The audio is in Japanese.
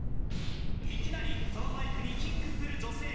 いきなりそのバイクにキックする女性。